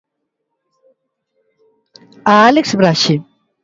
A Álex Braxe.